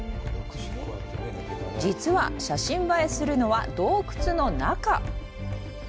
実は、写真映えするのは洞窟の中。